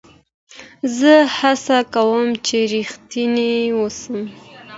زه هڅه کوم، چي رښتینی واوسم.